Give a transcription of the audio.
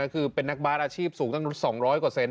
คือเป็นนักบาร์ดอาชีพสูงตั้งนึง๒๐๐กว่าเซ็นต์